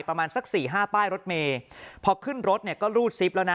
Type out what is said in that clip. ประมาณสักสี่ห้าป้ายรถเมย์พอขึ้นรถเนี่ยก็รูดซิปแล้วนะ